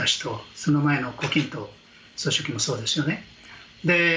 その前の胡錦涛総書記もそうですね。